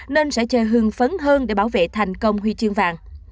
nên sẽ chơi hừng phấn hơn để bảo vệ thành công huy chương vàng